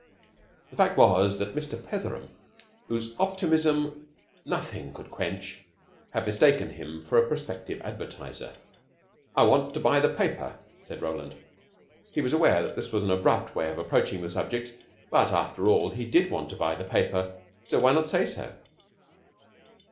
The fact was that Mr. Petheram, whose optimism nothing could quench, had mistaken him for a prospective advertiser. "I want to buy the paper," said Roland. He was aware that this was an abrupt way of approaching the subject, but, after all, he did want to buy the paper, so why not say so?